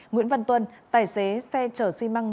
nguyễn văn tuân tài xế xe chở xi măng